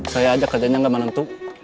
saya aja kerjanya nggak menentu